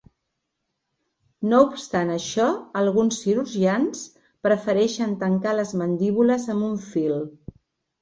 No obstant això, alguns cirurgians prefereixen tancar les mandíbules amb un fil.